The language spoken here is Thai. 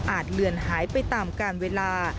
เลือนหายไปตามการเวลา